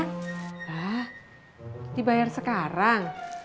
hah dibayar sekarang